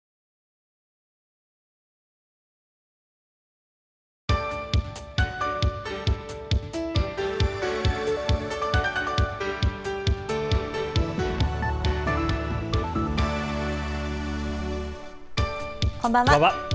こんばんは。